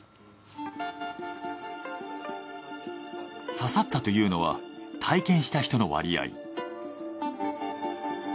刺さったというのは体験した人の割合。